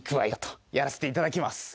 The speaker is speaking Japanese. やらせていただきます。